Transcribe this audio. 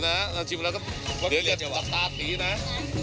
พรุงอาหารก็จะมีรสชาติอร่อยอย่างเดียวกัน